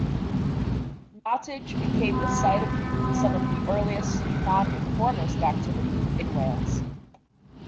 Nottage became the site of some of the earliest Nonconformist activity in Wales.